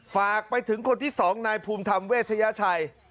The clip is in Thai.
ฝากไปถึงคนที่๒นายภูมิธรรมเวชยชัย